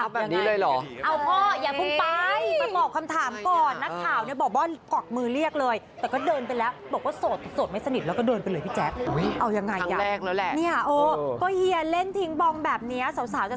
ไปปล่อยบองกลางวงนักข่าว